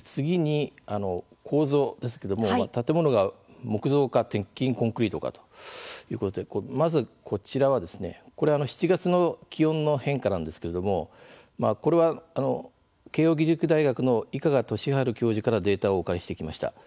次に、構造ですけれども建物が木造か鉄筋コンクリートかということで、まず、こちらは７月の気温の変化なんですけれどもこれは慶應義塾大学の伊香賀俊治教授からデータをお借りしてきました。